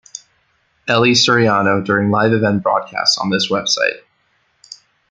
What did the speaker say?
Eli Soriano during live event broadcasts on this website.